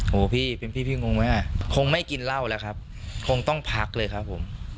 พี่เป็นพี่พี่งงไหมอ่ะคงไม่กินเหล้าแล้วครับคงต้องพักเลยครับผม